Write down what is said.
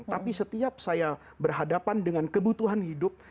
tapi setiap saya berhadapan dengan kebutuhan hidup